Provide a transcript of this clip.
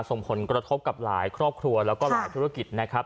ส่งผลกระทบกับหลายครอบครัวแล้วก็หลายธุรกิจนะครับ